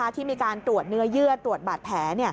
ที่มีการตรวจเนื้อเยื่อตรวจบาดแผล